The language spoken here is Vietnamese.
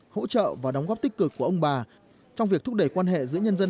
hỗ trợ và đóng góp tích cực của ông bà trong việc thúc đẩy quan hệ giữa nhân dân